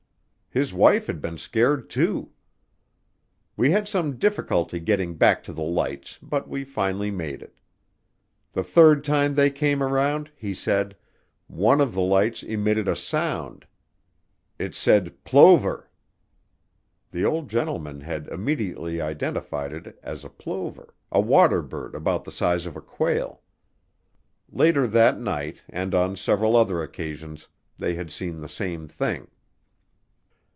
His wife had been scared too. We had some difficulty getting back to the lights but we finally made it. The third time they came around, he said, one of the lights emitted a sound. It said, "Plover." The old gentleman had immediately identified it as a plover, a water bird about the size of a quail. Later that night, and on several other occasions, they had seen the same thing.